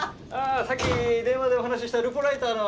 さっき電話でお話ししたルポライターの浅見さんや。